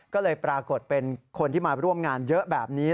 ก็เลยปรากฏเป็นคนที่มาร่วมงานเยอะแบบนี้